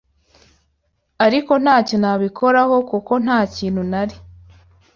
ariko ntacyo nabikoraho kuko nta kintu nari